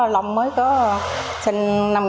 long mới có sinh